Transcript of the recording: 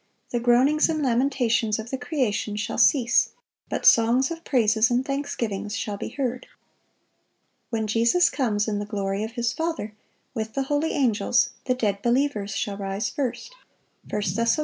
The groanings and lamentations of the creation shall cease, but songs of praises and thanksgivings shall be heard.... When Jesus comes in the glory of His Father, with the holy angels, ... the dead believers shall rise first. 1 Thess.